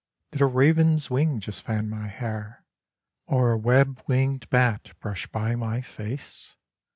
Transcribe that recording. Did a raven's wing just fan my hair? Or a web winged bat brush by my face?